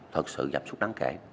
thật sự giảm súc đáng kể